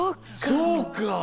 そうか！